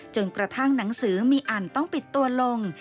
กระทั่งหนังสือมีอันต้องปิดตัวลง